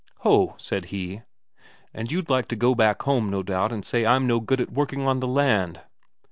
"Ho," said he, "and you'd like to go back home, no doubt, and say I'm no good at working on the land!"